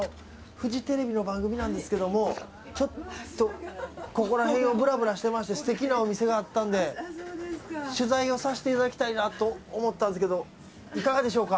フジテレビの番組なんですけどもちょっとここら辺をぶらぶらしてましてすてきなお店があったんで取材をさせていただきたいなと思ったんですけどいかがでしょうか。